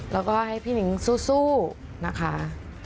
แล้วก็ให้พี่นิ้งสู้นะคะ